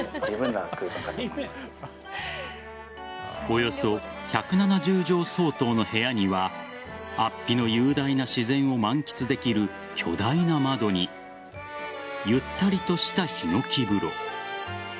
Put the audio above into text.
およそ１７０畳相当の部屋には安比の雄大な自然を満喫できる巨大な窓にゆったりとしたヒノキ風呂。